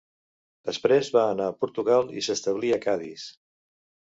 Després va anar a Portugal i s'establí a Cadis.